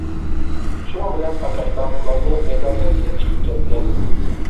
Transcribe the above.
شۇنىڭ بىلەن ئاكاشلار ئۇلارنى مەيداندىن ئېلىپ چىقىپ كەتتى.